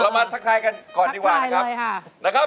มาทักทายกันก่อนดีกว่านะครับ